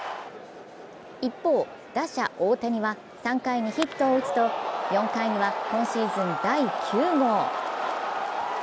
一方、打者・大谷は３回にヒットを打つと４回には今シーズン第９号。